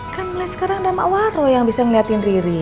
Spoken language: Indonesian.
kan mulai sekarang nama waro yang bisa ngeliatin riri